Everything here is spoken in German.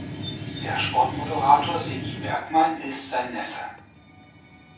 Der Sportmoderator Sigi Bergmann ist sein Neffe.